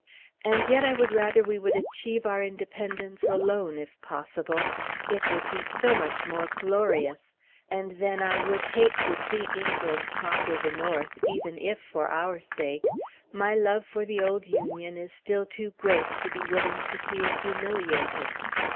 And yet, I would rather we would achieve our independence alone, if possible. It would be so much more glorious. And then I would hate to see England conquer the North, even if for our sake; my love for the old Union is still too great to be willing to see it so humiliated.